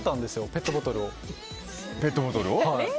ペットボトル。